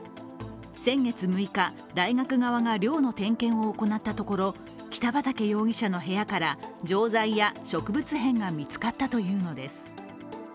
先月６日、大学側が寮の点検を行ったところ北畠容疑者の部屋から錠剤や植物片が見つかったというのです。